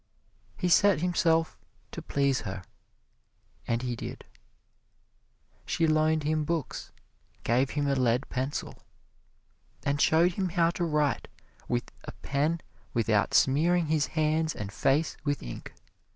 He set himself to please her and he did. She loaned him books, gave him a lead pencil, and showed him how to write with a pen without smearing his hands and face with ink.